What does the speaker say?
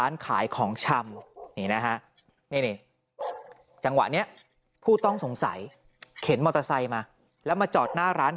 หลังจากพบศพผู้หญิงปริศนาตายตรงนี้ครับ